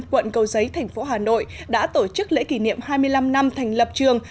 quận cầu giấy thành phố hà nội đã tổ chức lễ kỷ niệm hai mươi năm năm thành lập trường